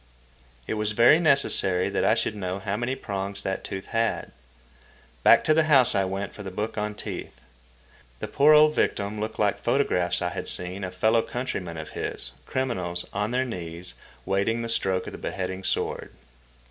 It was very necessary that I should know how many prongs that tooth had. Back to the house I went for the book on teeth. The poor old victim looked like photographs I had seen of fellow countrymen of his, criminals, on their knees, waiting the stroke of the beheading sword.